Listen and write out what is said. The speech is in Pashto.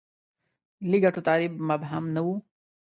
د ملي ګټو تعریف مبهم نه و.